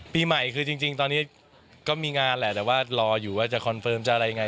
ปีใหม่คือจริงตอนนี้ก็มีงานแหละแต่ว่ารออยู่ว่าจะคอนเฟิร์มจะอะไรยังไง